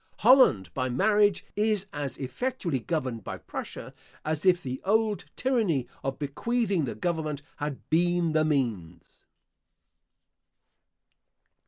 Holland, by marriage, is as effectually governed by Prussia, as if the old tyranny of bequeathing the government had been the means.